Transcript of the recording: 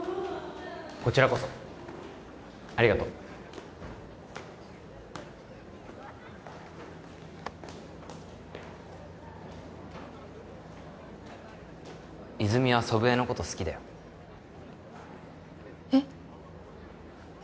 こちらこそありがとう泉は祖父江のこと好きだよえっ？